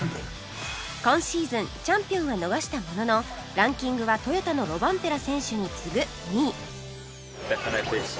今シーズンチャンピオンは逃したもののランキングはトヨタのロバンペラ選手に次ぐ２位